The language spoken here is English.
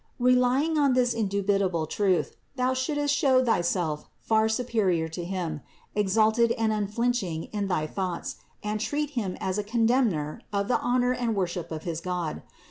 Relying on this indubitable truth thou shouldst show thy self far superior to him, exalted and unflinching in thy thoughts, and treat him as a contemner of the honor and worship of his God.